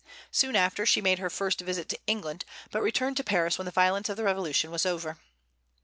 Soon after, she made her first visit to England, but returned to Paris when the violence of the Revolution was over.